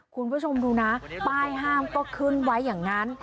คุณผู้ชมดูนะป้ายห้ามก็ขึ้นไว้อย่างนั้น